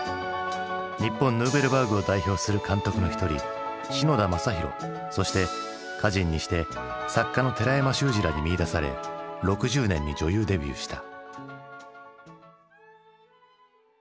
日本ヌーベルバーグを代表する監督の一人篠田正浩そして歌人にして作家の寺山修司らに見いだされ６０年に女優デビューした。